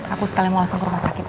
aku sekali mau langsung ke rumah sakit